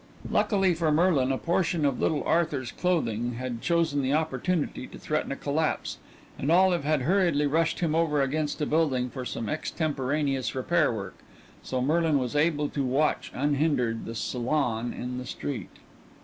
Luckily for Merlin a portion of little Arthur's clothing had chosen the opportunity to threaten a collapse, and Olive had hurriedly rushed him over against a building for some extemporaneous repair work, so Merlin was able to watch, unhindered, the salon in the street.